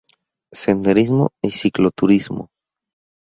Senderismo y cicloturismo.